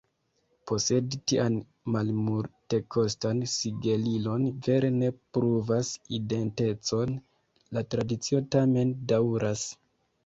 Posedi tian malmultekostan sigelilon vere ne pruvas identecon: la tradicio tamen daŭras.